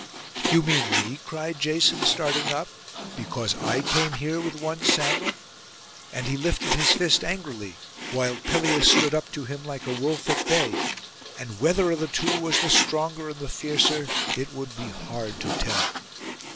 'You mean me?' cried Jason, starting up, 'because I came here with one sandal?' And he lifted his fist angrily, while Pelias stood up to him like a wolf at bay; and whether of the two was the stronger and the fiercer it would be hard to tell.